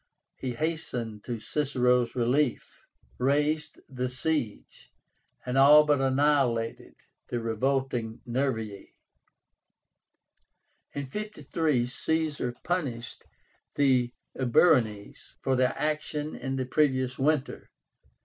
He hastened to Cicero's relief, raised the siege, and all but annihilated the revolting Nervii. In 53 Caesar punished the Eburónes for their action in the previous winter.